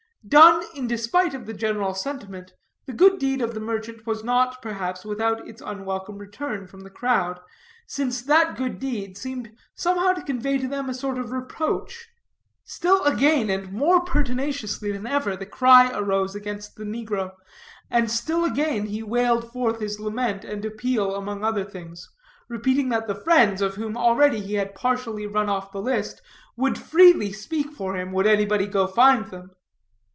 Done in despite of the general sentiment, the good deed of the merchant was not, perhaps, without its unwelcome return from the crowd, since that good deed seemed somehow to convey to them a sort of reproach. Still again, and more pertinaciously than ever, the cry arose against the negro, and still again he wailed forth his lament and appeal among other things, repeating that the friends, of whom already he had partially run off the list, would freely speak for him, would anybody go find them.